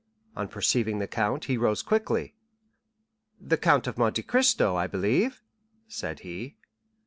On perceiving the count he rose quickly. "The Count of Monte Cristo, I believe?" said he.